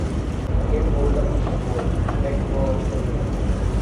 Get hold of a support - let go of the fear.